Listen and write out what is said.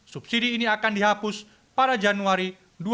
subsidi ini akan dihapus pada januari dua ribu dua puluh